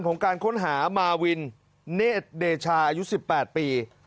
ของการค้นหามาวินเนธเดชาอายุ๑๘ปี